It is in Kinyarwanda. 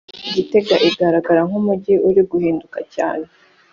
Gitega igaragara nk’umujyi uri guhinduka cyane